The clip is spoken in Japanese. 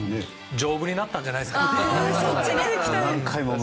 丈夫になったんじゃないですかね。